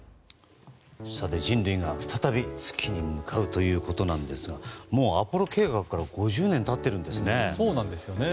人類が再び月に向かうということですがもうアポロ計画から５０年が経っているんですね。